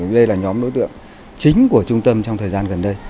đây là nhóm đối tượng chính của trung tâm trong thời gian gần đây